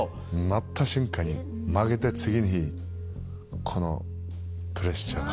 なった瞬間に負けた次の日このプレッシャーが。